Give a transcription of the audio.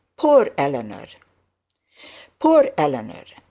Poor Eleanor! Poor Eleanor!